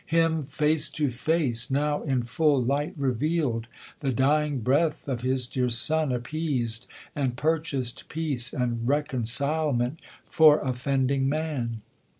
Him, face to face, Now in full light reveal'd, the dying breath Of his dear Son appeas'd, and purchas'd peace And reconcilement for offending man.